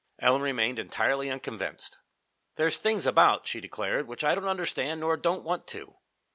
Ellen remained entirely unconvinced. "There's things about," she declared, "which I don't understand nor don't want to.